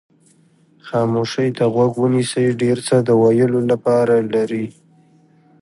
خاموشۍ ته غوږ ونیسئ ډېر څه د ویلو لپاره لري.